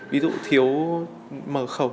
ví dụ thiếu mở khẩu